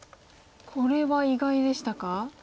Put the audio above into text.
これは意外でしたか？